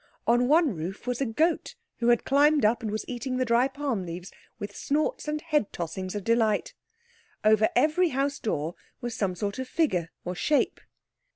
On one roof was a goat, who had climbed up and was eating the dry palm leaves with snorts and head tossings of delight. Over every house door was some sort of figure or shape.